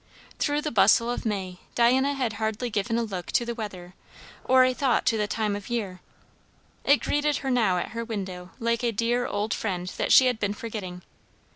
Through the bustle of May, Diana had hardly given a look to the weather or a thought to the time of year; it greeted her now at her window like a dear old friend that she had been forgetting.